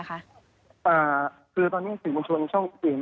คือตอนนี้ถึงวังวลชนช่องอิ่ม